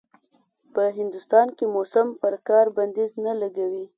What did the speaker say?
په هندوستان کې موسم پر کار بنديز نه لګوي.